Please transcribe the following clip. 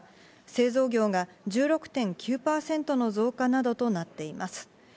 製造業が１６．９％の増加などとなっています。